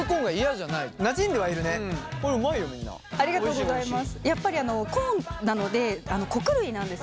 ありがとうございます。